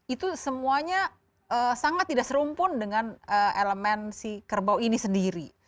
itu semuanya sangat tidak serumpun dengan elemen si kerbau ini sendiri